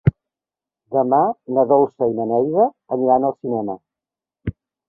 Demà na Dolça i na Neida aniran al cinema.